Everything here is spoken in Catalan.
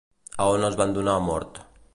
A on els van donar mort?